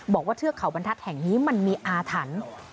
เทือกเขาบรรทัศน์แห่งนี้มันมีอาถรรพ์